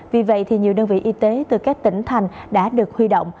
vì vậy nhiều đơn vị y tế từ các tỉnh thành đã được huy động